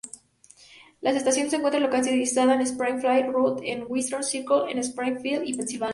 La estación se encuentra localizada en Springfield Road en Windsor Circle en Springfield, Pensilvania.